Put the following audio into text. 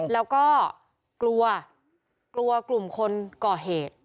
แล้วก็กลัวกลัวกลุ่มคนก่อเหตุ